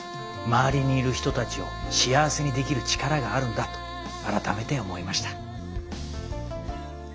周りにいる人たちを幸せにできる力があるんだと改めて思いました。